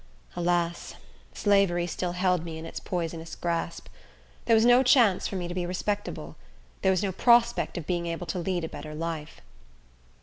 Alas! slavery still held me in its poisonous grasp. There was no chance for me to be respectable. There was no prospect of being able to lead a better life.